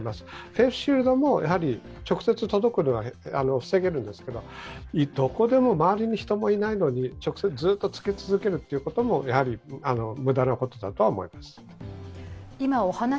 フェイスシールドも直接届くのは防げるんですけどどこでも周りに人もいないのに、ずっとつけ続けるというのも、無駄なことだろうと思います。